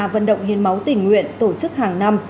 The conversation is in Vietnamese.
vận động hiến máu tình nguyện tổ chức hàng năm